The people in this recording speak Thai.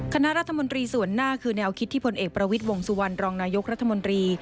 คณะรัฐมนตรีส่วนหน้าคือแนวคิดที่ผลเอกประวิทย์วงสุวรรณรองนายกรัฐมนตรี